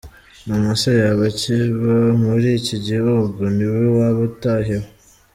Mama se yaba akiba muri iki gihugu? Niwe waba utahiwe.